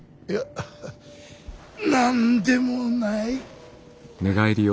いや何でもない。